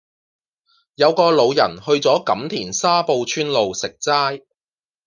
有個老人去左錦田沙埔村路食齋